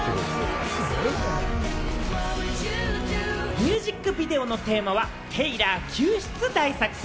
ミュージックビデオのテーマは、テイラー救出大作戦。